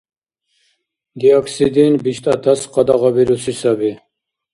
Диоксидин биштӀатас къадагъабируси саби.